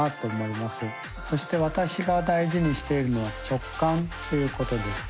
そして私が大事にしているのは直感ということです。